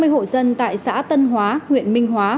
ba mươi hộ dân tại xã tân hóa huyện minh hóa